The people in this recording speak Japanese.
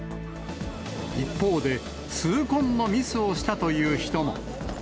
一方で、痛恨のミスをしたという人も。